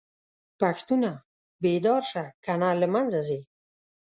پښتونه!! بيدار شه کنه له منځه ځې